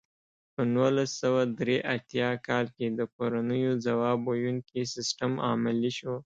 په نولس سوه درې اتیا کال کې د کورنیو ځواب ویونکی سیستم عملي شو.